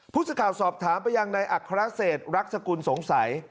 ผู้สื่อข่าวสอบถามไปยังในอัครเศษรักษกุลสงสัย